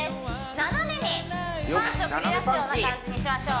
斜めにパンチを繰り出すような感じにしましょう